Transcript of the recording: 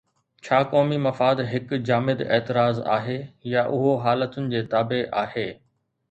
ڇا قومي مفاد هڪ جامد اعتراض آهي يا اهو حالتن جي تابع آهي؟